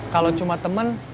kalau cuma temen